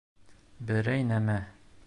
Берәй нәмә